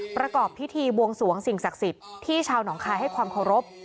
ประกอบพิธีบวงสวงสิ่งศักดิ์สิทธิ์ที่ชาวหนองคายให้ความเคารพ